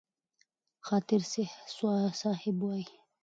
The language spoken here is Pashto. خاطر صاحب وايي: